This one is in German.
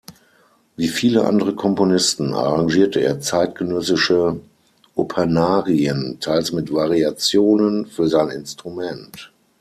Wie viele andere Komponisten arrangierte er zeitgenössische Opernarien, teils mit Variationen, für sein Instrument.